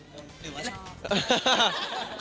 หรือว่าชอบ